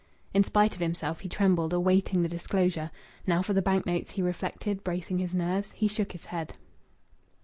In spite of himself he trembled, awaiting the disclosure. "Now for the bank notes!" he reflected, bracing his nerves. He shook his head.